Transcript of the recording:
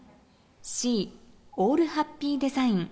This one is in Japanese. Ｃ、オールハッピーデザイン。